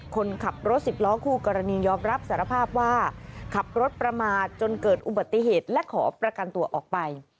คนขับรถสิบล้อคู่กรณียอมรับสารภาพว่าขับรถประมาทจนเกิดอุบัติเหตุและขอประกันตัวออกไป